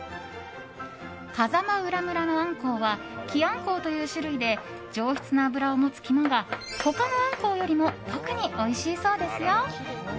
風間浦のアンコウはキアンコウという種類で上質な脂を持つ肝が他のアンコウよりも特においしいそうです。